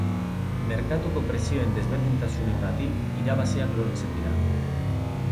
Merkatuko prezioen desberdintasunengatik, irabaziak lortzen dira.